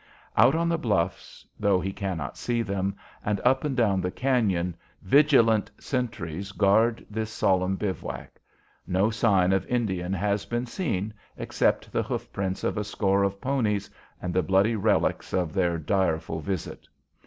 Out on the bluffs, though he cannot see them, and up and down the cañon, vigilant sentries guard this solemn bivouac. No sign of Indian has been seen except the hoof prints of a score of ponies and the bloody relics of their direful visit.